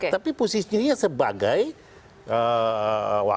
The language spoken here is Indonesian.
tapi posisinya sebagai wakil